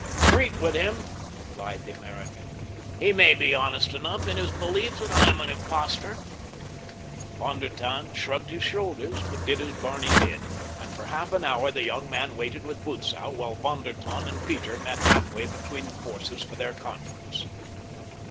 "Treat with him," replied the American. "He may be honest enough in his belief that I am an impostor." Von der Tann shrugged his shoulders, but did as Barney bid, and for half an hour the young man waited with Butzow while Von der Tann and Peter met halfway between the forces for their conference.